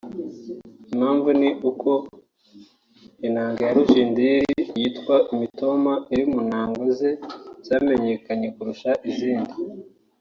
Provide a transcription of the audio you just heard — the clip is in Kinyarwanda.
Impamvu ni uko inanga ya Rujindiri yitwa “Imitoma” iri mu nanga ze zamenyekanye kurusha izindi